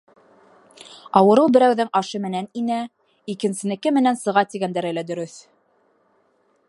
Ауырыу берәүҙең ашы менән инә, икенсенеке менән сыға тигәндәре лә дөрөҫ.